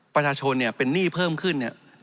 ประชาชนเป็นหนี้เพิ่มขึ้น